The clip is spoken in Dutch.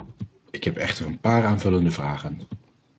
Ik heb echter een paar aanvullende vragen.